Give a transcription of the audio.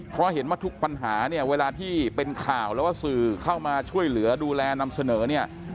เพราะเห็นว่าทุกปัญหาเนี่ยเวลาที่เป็นข่าวหรือว่าสื่อเข้ามาช่วยเหลือดูแลนำเสนอเนี่ย